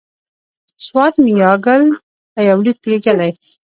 سوات میاګل ته یو لیک لېږلی.